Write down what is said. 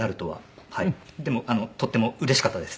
でもとってもうれしかったです。